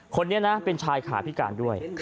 คนนี้นะเป็นชายขาพิการด้วย